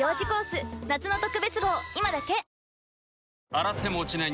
洗っても落ちない